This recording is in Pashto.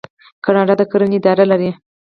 کاناډا د کرنې اداره لري.